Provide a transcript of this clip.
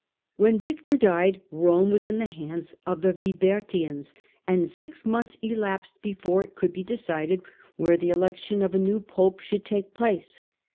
When Victor died, Rome was in the hands of tlm WibOTtians, and six months elapsed before it could be decideowhere the election of a new pope should take place.